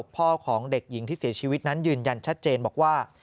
พ่อของเด็กหญิงที่เสียชีวิตนั้นยืนยันชัดเจนบอกว่า